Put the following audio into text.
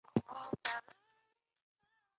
但马从不接触溪木贼。